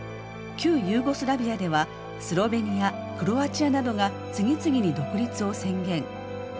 旧ユーゴスラビアではスロベニアクロアチアなどが次々に独立を宣言。